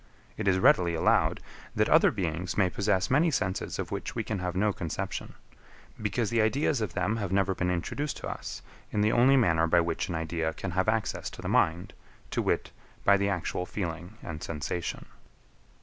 It is readily allowed, that other beings may possess many senses of which we can have no conception; because the ideas of them have never been introduced to us in the only manner by which an idea can have access to the mind, to wit, by the actual feeling and sensation.